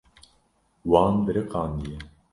Wan biriqandiye.